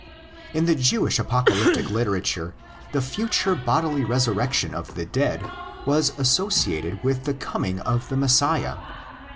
In the Jewish apocalyptic literature the future bodily resurrection of the dead was associated with the coming of the Messiah.